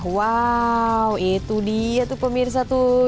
wow itu dia tuh pemirsa tuh